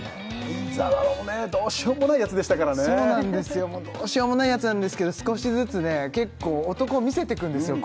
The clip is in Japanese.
愛沢はねどうしようもないやつでしたからねそうなんですよどうしようもないやつなんですけど少しずつね結構男を見せてくんですよ